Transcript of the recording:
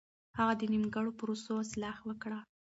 هغه د نيمګړو پروسو اصلاح وکړه.